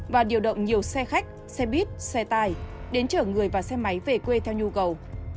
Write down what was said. và điều động nhiều xe khách xe buýt xe tải đến chở người và xe máy về quê theo nhu cầu